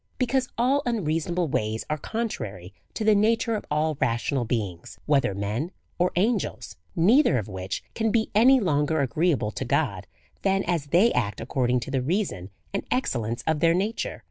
Because all unreasonable ways are contrary to the nature of all rational beings, whether men or angels ; neither of which can be any longer agreeable to God than as they act according to the reason and excel lence of their nature.